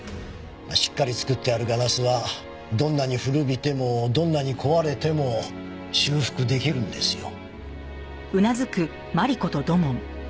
しっかり作ってあるガラスはどんなに古びてもどんなに壊れても修復出来るんですよ。